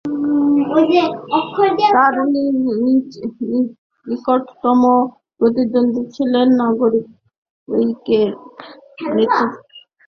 তার নিকটতম প্রতিদ্বন্দ্বী ছিলেন নাগরিক ঐক্যের নেতা সাবেক এমপি এস এম আকরাম।